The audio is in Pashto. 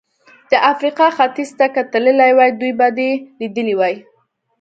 د افریقا ختیځ ته که تللی وای، دوی به دې لیدلي وای.